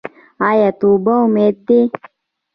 آیا توبه امید دی؟